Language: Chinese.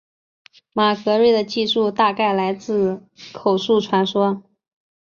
马格瑞的记述大概来自口述传说。